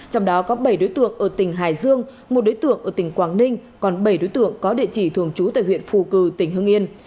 trong đó có bảy đối tượng ở tỉnh hải dương một đối tượng ở tỉnh quảng ninh còn bảy đối tượng có địa chỉ thường trú tại huyện phù cử tỉnh hưng yên